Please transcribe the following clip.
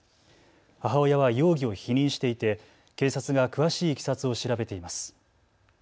母親は容疑を否認していて警察が詳しいいきさつを調べています。